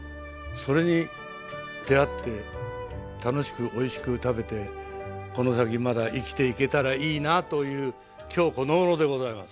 それに出合って楽しくおいしく食べてこの先まだ生きていけたらいいなという今日このごろでございます。